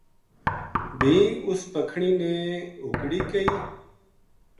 بھی اس پکھنی نے ہُکڑی کئی